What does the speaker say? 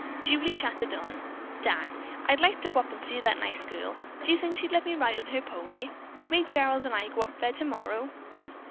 Julie chattered on, "Dan, I'd like to go up and see that nice girl. Do you think she'd let me ride on her pony? May Gerald and I go up there tomorrow?"